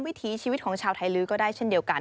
วิถีชีวิตของชาวไทยลื้อก็ได้เช่นเดียวกัน